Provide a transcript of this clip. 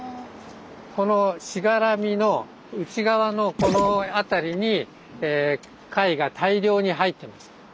この柵の内側のこの辺りに貝が大量に入ってました。